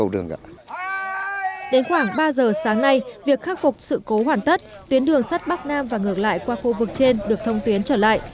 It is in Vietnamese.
đến khoảng ba giờ sáng nay việc khắc phục sự cố hoàn tất tuyến đường sắt bắc nam và ngược lại qua khu vực trên được thông tuyến trở lại